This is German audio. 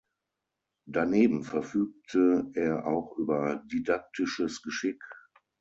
Daneben verfügte er auch über didaktisches Geschick.